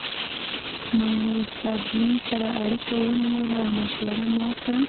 موږ له استاد یون سره اړیکه ونیوله او مشوره مو وکړه